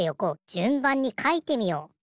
じゅんばんにかいてみよう。